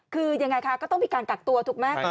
คือยังไงคะก็ต้องมีการกักตัวถูกไหม